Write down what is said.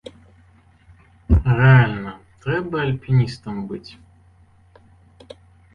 Рэальна, трэба альпіністам быць!